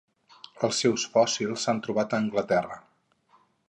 Els seus fòssils s'han trobat a Anglaterra.